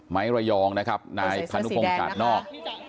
ไม้ระยองนะครับนายพนุภงศ์ศาสตร์นอก